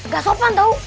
gak sopan tau